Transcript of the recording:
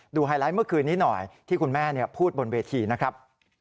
ไฮไลท์เมื่อคืนนี้หน่อยที่คุณแม่พูดบนเวทีนะครับ